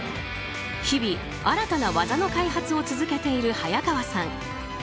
日々、新たな技の開発を続けている早川さん。